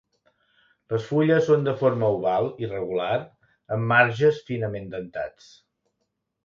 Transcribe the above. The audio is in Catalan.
Les fulles són de forma oval i regular amb marges finament dentats.